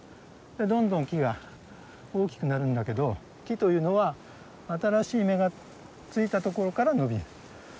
どんどん木が大きくなるんだけど木というのは新しい芽がついたところから伸びる。